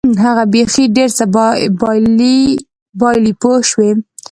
هغه بیخي ډېر څه بایلي پوه شوې!.